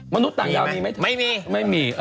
มนุษย์ต่างดาวมีไหมไม่มี